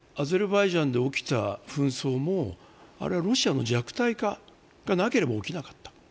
つまり、アゼルバイジャンで起きた紛争もロシアの弱体化がなければ起きなかった。